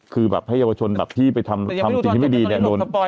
คือแบบให้เยาวชนแบบที่ไปทำจริงไม่ดีแดดล้น